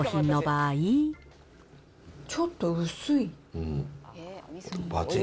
ちょっと薄い。